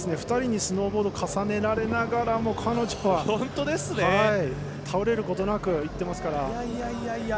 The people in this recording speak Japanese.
２人にスノーボードを重ねられながらも彼女は倒れることなく行ってますから。